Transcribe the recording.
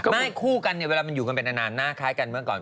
ไม่คู่กันเนี่ยเวลามันอยู่กันไปนานหน้าคล้ายกันเมื่อก่อน